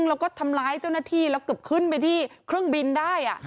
แล้วก็ทำร้ายเจ้าหน้าที่แล้วเกือบขึ้นไปที่เครื่องบินได้